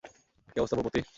কী অবস্থা, ভূপতি?